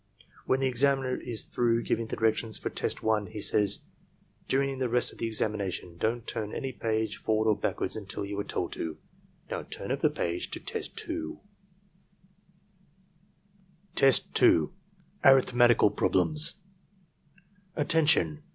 When the examiner is through giving the directions for test 1, he says: "During the rest of this examination don't turn any page for ward or backward unless you are told to. Now turn over the page to test 2." Test 2.— Arifhmetical Problems "Attention!